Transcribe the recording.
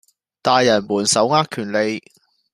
大人們手握權利